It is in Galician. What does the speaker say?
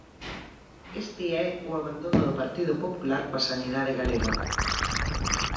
Este é o abandono do Partido Popular coa sanidade galega.